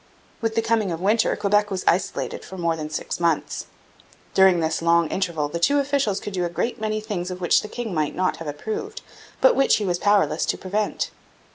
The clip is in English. With the coming of winter Quebec was isolated for more than six months. During this long interval the two officials could do a great many things of which the king might not have approved, but which he was powerless to prevent.